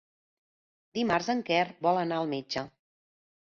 Dimarts en Quer vol anar al metge.